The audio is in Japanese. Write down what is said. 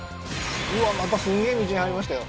うわまたすげえ道に入りましたよ